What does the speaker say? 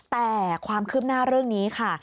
แต่ความคืบหน้าเรื่องนี้ค่ะ